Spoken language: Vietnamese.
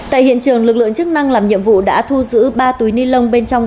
tại hiện trường lực lượng chức năng làm nhiệm vụ đã thu giữ ba túi ni lông bên trong